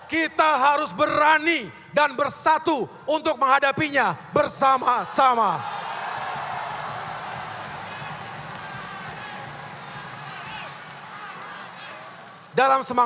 kita harus berani dan bersatu untuk menghadapinya bersama sama